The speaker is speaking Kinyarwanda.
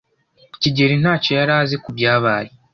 kigeli ntacyo yari azi kubyabaye.